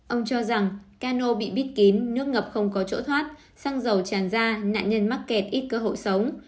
ông cho rằng cano bị bít kín nước ngập không có chỗ thoát xăng dầu tràn ra nạn nhân mắc kẹt ít cơ hội sống